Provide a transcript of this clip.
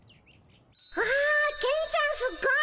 わあケンちゃんすごい。